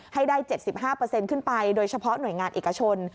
ให้ได้๗๕ขึ้นไปโดยเฉพาะหน่วยงานเอกชน